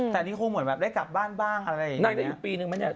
แต่อันนี้คงเหมือนแบบได้กลับบ้านบ้างอะไรอย่างนี้